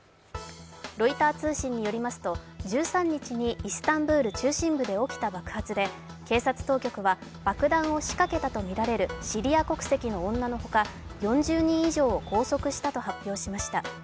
ロイター通信によりますと、１３日にイスタンブール中心部で起きた爆発で警察当局は爆弾を仕掛けたとみられるシリア国籍の女の他４０人以上を拘束したと発表しました。